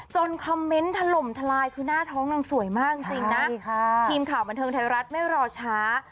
คอมเมนต์ถล่มทลายคือหน้าท้องนางสวยมากจริงนะทีมข่าวบันเทิงไทยรัฐไม่รอช้า